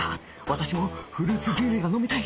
私もフルーツ牛乳が飲みたい